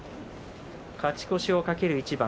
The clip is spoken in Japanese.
勝ち越しを懸ける一番。